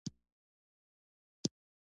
د تیلي دانو اهمیت.